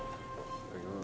いただきます。